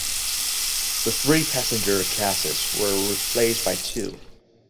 The three passenger classes were replaced by two.